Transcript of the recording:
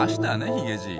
ヒゲじい。